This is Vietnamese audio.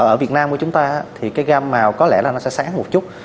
ở việt nam của chúng ta thì cái gam màu có lẽ là nó sẽ sáng một chút